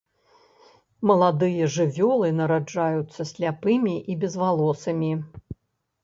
Маладыя жывёлы нараджаюцца сляпымі і безвалосымі.